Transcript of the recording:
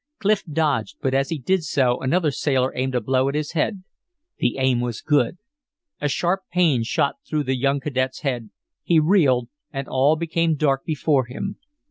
Clif dodged, but as he did so another sailor aimed a blow at his head. The aim was good. A sharp pain shot through the young cadet's head, he reeled and all became dark before him.